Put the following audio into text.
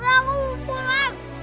aku mau pulang